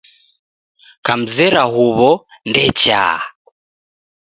Kamzera huwo ndechaa